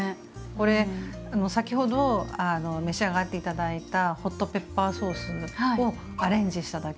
これ先ほど召し上がって頂いたホットペッパーソースをアレンジしただけなんです。